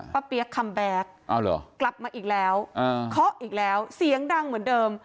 เปี๊ยกคัมแบ็คกลับมาอีกแล้วเคาะอีกแล้วเสียงดังเหมือนเดิม